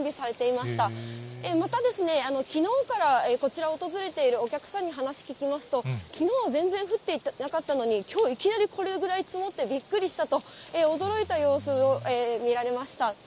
また、きのうからこちらを訪れているお客さんに話聞きますと、きのうは全然降ってなかったのに、きょう、いきなりこれぐらい積もって、びっくりしたと驚いた様子も見られました。